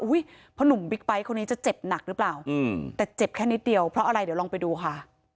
เพราะหนุ่มบิ๊กไบท์คนนี้จะเจ็บหนักหรือเปล่าแต่เจ็บแค่นิดเดียวเพราะอะไรเดี๋ยวลองไปดูค่ะ